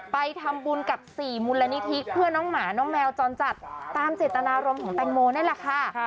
ไปทำบุญกับ๔มูลนิธิเพื่อน้องหมาน้องแมวจรจัดตามเจตนารมณ์ของแตงโมนั่นแหละค่ะ